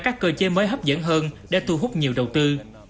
các cơ chế mới hấp dẫn hơn để thu hút nhiều đầu tư